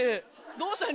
どうしたん？